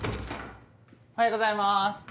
・おはようございます。